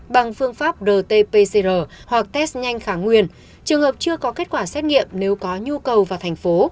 bằng phương pháp rt pcr hoặc test nhanh kháng nguyên trường hợp chưa có kết quả xét nghiệm nếu có nhu cầu vào thành phố